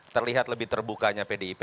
terlihat lebih terbukanya pdip